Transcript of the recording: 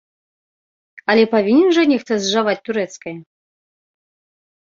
Але павінен жа нехта зжаваць турэцкае?